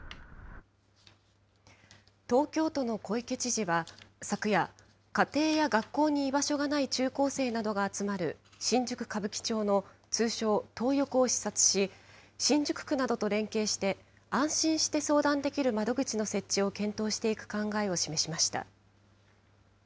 東京都の小池知事は昨夜、家庭や学校に居場所がない中高生などが集まる新宿・歌舞伎町の通称トー横を視察し、新宿区などと連携して、安心して相談できる窓口の設置を検討していく考えを示しました。